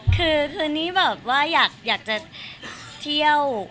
คือคืนนี้แบบว่าอยากจะเที่ยว